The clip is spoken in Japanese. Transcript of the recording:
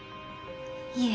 いえ！